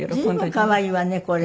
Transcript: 随分可愛いわねこれ。